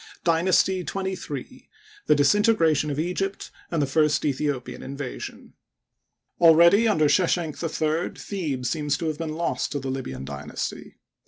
Dynasty XXIII— The Disintegration of Egypt y and the First Aethiopian Invasion. Already under Sheshenq III Thebes seems to have been lost to the Libyan dynasty.